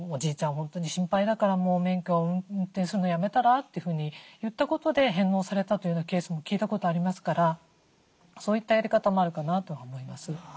本当に心配だからもう免許運転するのやめたら？」というふうに言ったことで返納されたというケースも聞いたことありますからそういったやり方もあるかなとは思います。